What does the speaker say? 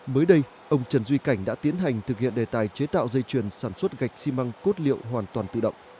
mới đây ông trần duy cảnh đã tiến hành thực hiện đề tài chế tạo dây chuyển sản xuất gạch xi măng cốt liệu hoàn toàn tự động